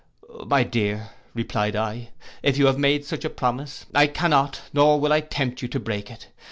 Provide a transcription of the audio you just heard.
'—'My dear,' I replied, 'if you have made such a promise, I cannot, nor will I tempt you to break it.